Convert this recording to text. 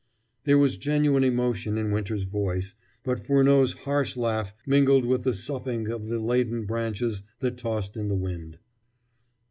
There was genuine emotion in Winter's voice, but Furneaux's harsh laugh mingled with the soughing of the laden branches that tossed in the wind.